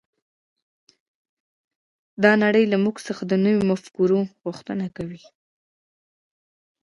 دا نړۍ له موږ څخه د نويو مفکورو غوښتنه کوي.